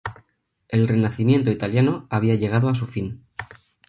El Renacimiento italiano había llegado a su fin.